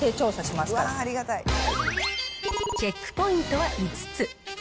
きょチェックポイントは５つ。